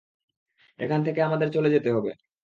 এখান থেকে আমাদের চলে যেতে হবে।